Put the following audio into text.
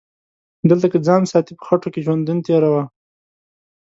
دلته که ځان ساتي په خټو کې ژوندون تیروه